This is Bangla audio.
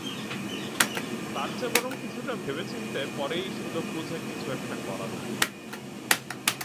তার চেয়ে বরং কিছুটা ভেবেচিন্তে পরেই সুযোগবুঝে কিছু একটা করা যাবে।